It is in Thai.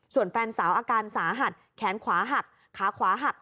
ส่วนแฟนสาวอาการสาหัสแขนขวาหักขาขวาหัก